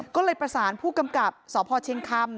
ก็เลยประสานผู้กำกับสพเชียงคำ